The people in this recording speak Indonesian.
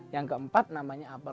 yang keempat namanya apel